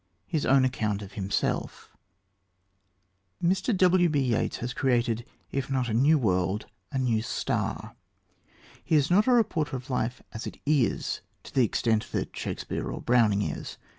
HIS OWN ACCOUNT OF HIMSELF Mr. W.B. Yeats has created, if not a new world, a new star. He is not a reporter of life as it is, to the extent that Shakespeare or Browning is.